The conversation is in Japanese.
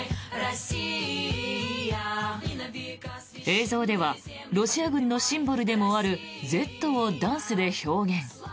映像ではロシア軍のシンボルでもある「Ｚ」をダンスで表現。